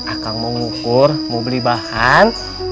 akang mau ngukur mau beli bahan